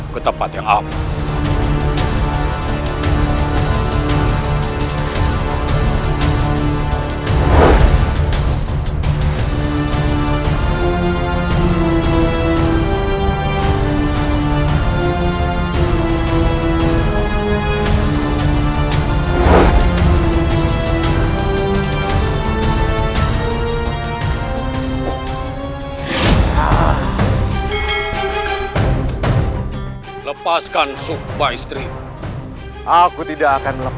ketempat yang aman